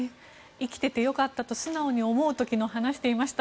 生きていてよかったと素直に思うと昨日、話していました。